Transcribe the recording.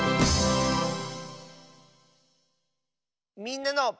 「みんなの」。